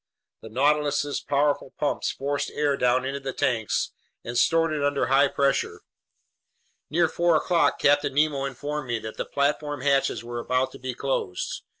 The Nautilus's powerful pumps forced air down into the tanks and stored it under high pressure. Near four o'clock Captain Nemo informed me that the platform hatches were about to be closed.